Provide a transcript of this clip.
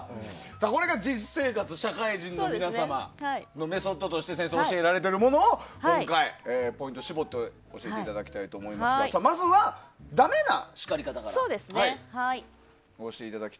これが実生活、社会人の皆様のメソッドとして先生が教えられているものをポイントを絞って教えていただきたいと思いますがまずはダメな叱り方から。